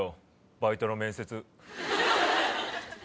バイトの面接？